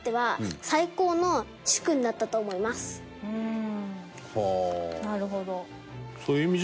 うんなるほど。